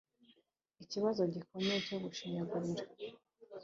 Ikibazo gikomeye cyo gushinyagurira